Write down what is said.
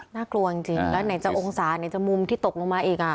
น่ากลัวจริงแล้วไหนจะองศาไหนจะมุมที่ตกลงมาอีก